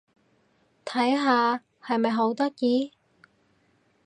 睇下！係咪好得意？